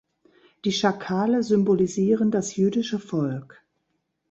Die Schakale symbolisieren das jüdische Volk.